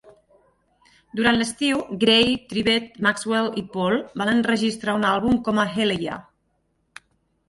Durant l'estiu, Gray, Tribbett, Maxwell i Paul van enregistrar un àlbum com a Hellyeah.